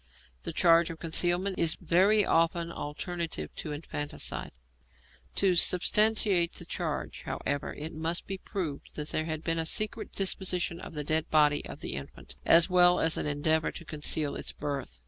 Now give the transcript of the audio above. The charge of concealment is very often alternative to infanticide. To substantiate the charge, however, it must be proved that there had been a secret disposition of the dead body of the infant, as well as an endeavour to conceal its birth.